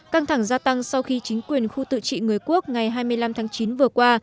căng thẳng gia tăng sau khi chính quyền khu tự trị người quốc ngày hai mươi năm tháng chín vừa qua